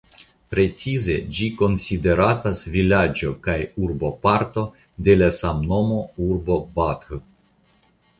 Precize ĝi konsideratas vilaĝo kaj urboparto de samnoma urbo "Bath".